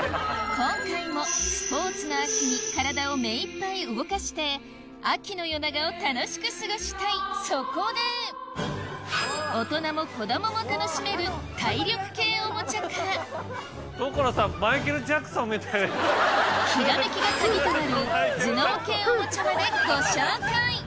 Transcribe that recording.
今回もスポーツの秋に体をめいっぱい動かして秋の夜長を楽しく過ごしたいそこで大人も子供も楽しめる体力系おもちゃからひらめきがカギとなる頭脳系おもちゃまでご紹介